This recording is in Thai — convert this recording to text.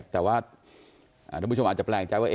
แต่ว่าท่านผู้ชมอาจจะแปลกใจว่า